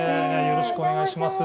よろしくお願いします。